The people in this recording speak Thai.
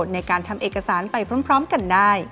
ในการทำเอกสารไปพร้อมกันได้